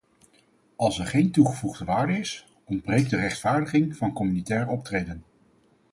Als er geen toegevoegde waarde is, ontbreekt de rechtvaardiging van communautair optreden.